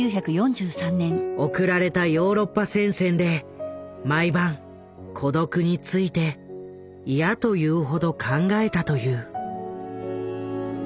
送られたヨーロッパ戦線で毎晩孤独について嫌というほど考えたという。